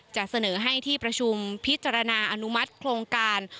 จะเสนอให้ที่ประชุมพิจารณาอนุมัติโครงการ